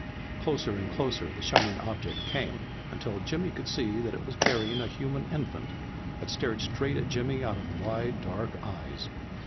Closer and closer the shining object came, until Jimmy could see that it was carrying a human infant that stared straight at Jimmy out of wide, dark eyes.